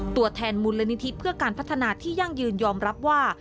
ตัวแทนมูลนิธิเพื่อการพัฒนาที่ยั่งยืนยอมรับว่า